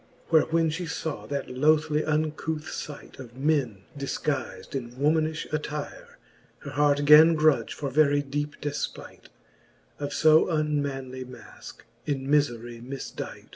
Where when fhe faw that lothly uncouth fight, Of men difguiz'd in womanifhe attire, Her heart gan grudge, for very deepe defpight Of fo unmanly maske, in mifery mifdight.